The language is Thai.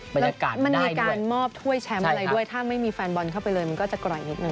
มันมีการมอบถ้วยแชมป์อะไรด้วยถ้าไม่มีแฟนบอลเข้าไปเลยมันก็จะกร่อยนิดนึ